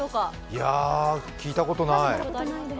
いや、聞いたことない。